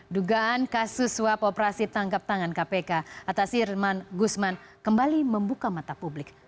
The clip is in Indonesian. dugaan kasus swap operasi tanggap tangan kpk atasi irman guzman kembali membuka mata publik